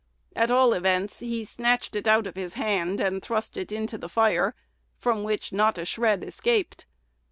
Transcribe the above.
At all events, he snatched it out of his hand, and thrust it into the fire, from which not a shred escaped.